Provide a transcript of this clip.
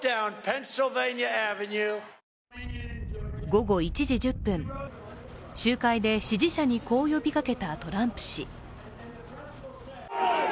午後１時１０分、集会で支持者に、こう呼びかけたトランプ氏。